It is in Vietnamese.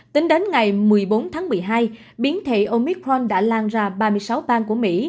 tính đến ngày một mươi bốn tháng một mươi hai biến thể omicron đã lan ra ba mươi sáu bang của mỹ